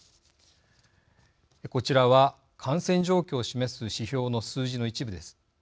こちらは感染状況を示す指標の数字の一部です。